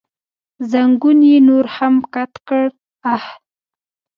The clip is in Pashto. زنګون یې نور هم کت کړ، اخ.